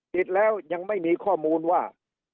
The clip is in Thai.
ติดแล้วยังไม่มีข้อมูลว่า